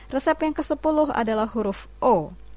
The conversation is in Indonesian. resep yang ke sepuluh adalah huruf o